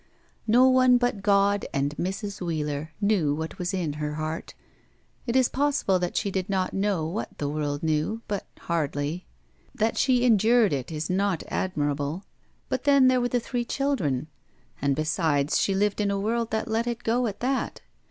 No one but God and Mrs. Wheeler knew what was in her heart. It is possible that she did not know what the world knew, but hardly. That she endured it is not admirable, but then there were the three children, and, besides, she lived in a world that let it go at that.